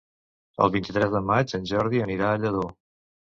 El vint-i-tres de maig en Jordi anirà a Lladó.